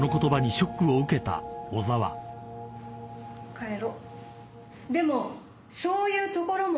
「帰ろう」